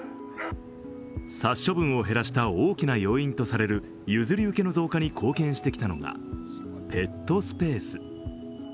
殺処分を減らした大きな要因とされる譲り受けの増加に貢献してきたのがペットスペース。